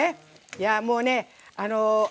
いやもうねあのあれ！